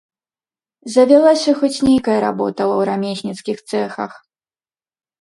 Завялася хоць нейкая работа ў рамесніцкіх цэхах.